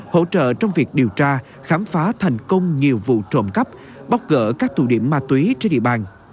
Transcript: hỗ trợ trong việc điều tra khám phá thành công nhiều vụ trộm cắp bóc gỡ các tụ điểm ma túy trên địa bàn